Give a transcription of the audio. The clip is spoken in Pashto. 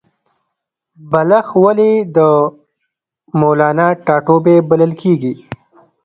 بلخ ولې د مولانا ټاټوبی بلل کیږي؟